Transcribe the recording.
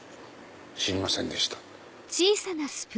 知りませんでした。